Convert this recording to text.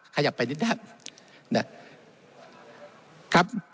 ขยับไปนิดนะครับ